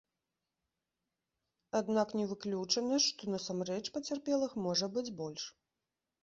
Аднак не выключана, што насамрэч пацярпелых можа быць больш.